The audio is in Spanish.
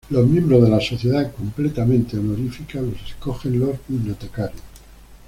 Los miembros de la sociedad -completamente honorífica- los escogen los bibliotecarios.